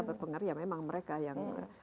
yang memang mereka yang